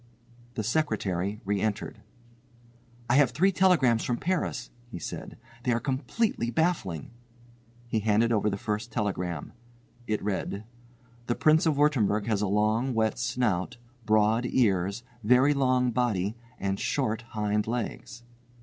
The secretary re entered. "I have three telegrams from Paris," he said, "they are completely baffling." He handed over the first telegram. It read: "The Prince of Wurttemberg has a long, wet snout, broad ears, very long body, and short hind legs."